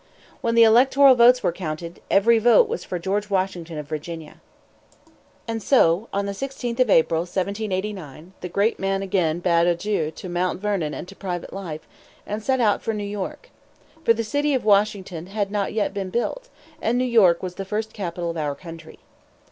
When the electoral votes were counted, every vote was for George Washington of Virginia. And so, on the 16th of April, 1789, the great man again bade adieu to Mount Vernon and to private life, and set out for New York. For the city of Washington had not yet been built, and New York was the first capital of our country.